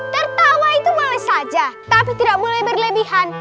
tertawa itu boleh saja tapi tidak boleh berlebihan